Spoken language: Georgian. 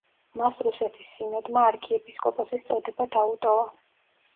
მას რუსეთის სინოდმა არქიეპისკოპოსის წოდება დაუტოვა.